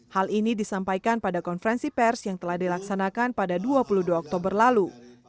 hal ini disampaikan pada konferensi pers yang telah dilaksanakan pada dua puluh dua oktober lalu